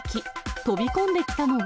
飛び込んできたのは？